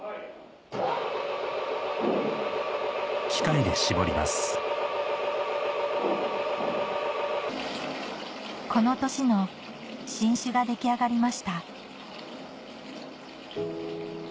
・はい・この年の新酒が出来上がりました